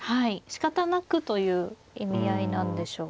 しかたなくという意味合いなんでしょうか。